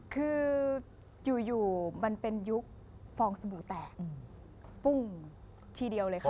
คืออยู่มันเป็นยุคฟองสบู่แตกปุ้งทีเดียวเลยค่ะ